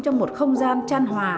trong một không gian tràn hòa